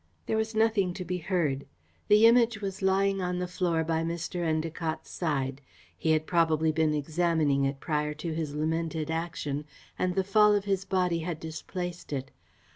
There was nothing to be heard. The Image was lying on the floor by Mr. Endacott's side. He had probably been examining it prior to his lamented action and the fall of his body had displaced it.